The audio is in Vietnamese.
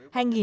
các báo cáo